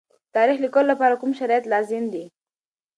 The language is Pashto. د تاریخ لیکلو لپاره کوم شرایط لازم دي؟